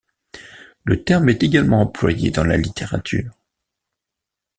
Le terme est également employé dans la littérature.